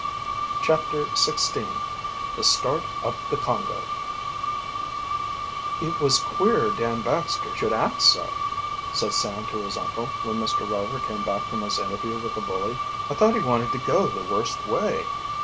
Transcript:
CHAPTER XVI THE START UP THE CONGO "It was queer Dan Baxter should act so," said Sam to his uncle, when Mr. Rover came back from his interview with the bully. "I thought he wanted to, go the worst way."